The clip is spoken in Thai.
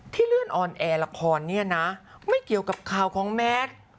เลื่อนออนแอร์ละครเนี่ยนะไม่เกี่ยวกับข่าวของแมท